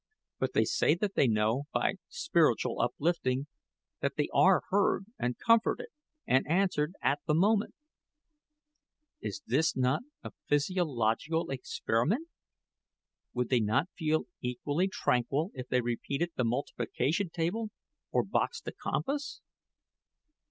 But they say that they know, by spiritual uplifting, that they are heard, and comforted, and answered at the moment. Is not this a physiological experiment? Would they not feel equally tranquil if they repeated the multiplication table, or boxed the compass?